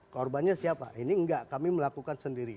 korbannya siapa ini enggak kami melakukan sendiri